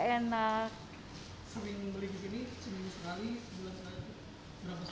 sering beli di sini sering sekali bulan sekali